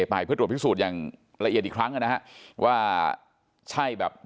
ไปเพื่อตรวจพิสูจน์อย่างละเอียดอีกครั้งนะฮะว่าใช่แบบ